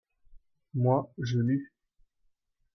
moi, je lus.